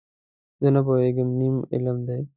زه نه پوهېږم، نیم علم دی.